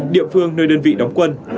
địa phương nơi đơn vị đóng quân